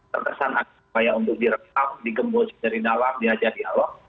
terkesan agar supaya untuk direkap digembus dari dalam diajak dialog